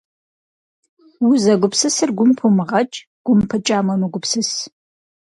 Узэгупсысыр гум пумыгъэкӏ, гум пыкӏам уемыгупсыс.